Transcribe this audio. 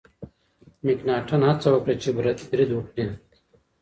مکناتن هڅه وکړه چې برید وکړي.